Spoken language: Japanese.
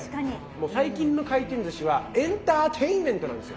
もう最近の回転ずしはエンターテインメントなんですよ。